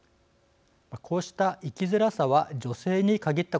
こうした生きづらさは女性に限ったことではありません。